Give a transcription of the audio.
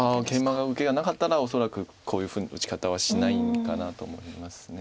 ケイマ受けがなかったら恐らくこういうふうな打ち方はしないのかなと思います。